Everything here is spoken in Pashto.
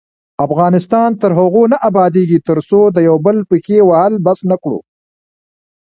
افغانستان تر هغو نه ابادیږي، ترڅو د یو بل پښې وهل بس نکړو.